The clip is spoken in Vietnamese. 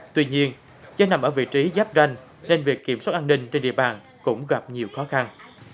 tuy nhiên do nằm ở vị trí giáp ranh nên việc kiểm soát an ninh trên địa bàn cũng gặp nhiều khó khăn